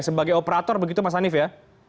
sebagai operator begitu mas hanif ya